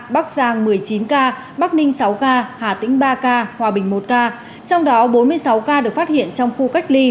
bắc giang một mươi chín ca bắc ninh sáu ca hà tĩnh ba ca hòa bình một ca trong đó bốn mươi sáu ca được phát hiện trong khu cách ly